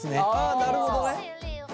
あなるほどね。